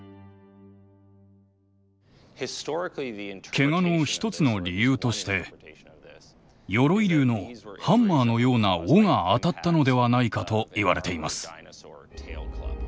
けがの一つの理由として鎧竜のハンマーのような尾が当たったのではないかといわれています。